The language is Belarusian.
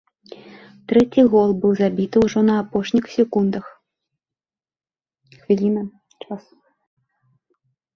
Трэці гол быў забіты ўжо на апошніх секундах.